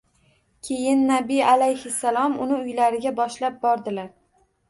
Keyin Nabiy alayhissalom uni uylariga boshlab bordilar